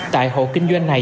tại hộ kinh doanh này